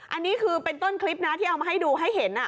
อันนี้คือเป็นต้นคลิปนะที่เอามาให้ดูให้เห็น